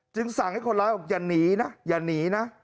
สั่งให้คนร้ายบอกอย่าหนีนะอย่าหนีนะ